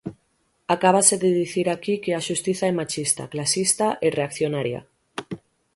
Acábase de dicir aquí que a xustiza é machista, clasista e reaccionaria.